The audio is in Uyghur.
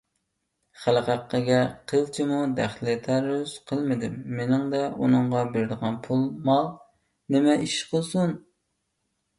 خەلق ھەققىگە قىلچىمۇ دەخلى - تەرۇز قىلمىدىم، مېنىڭدە ئۇنىڭغا بېرىدىغان پۇل - مال نېمە ئىش قىلسۇن؟